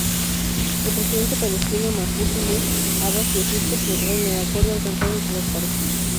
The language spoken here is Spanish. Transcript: El presidente palestino, Mahmud Abás, y Egipto celebraron el acuerdo alcanzado entre las partes.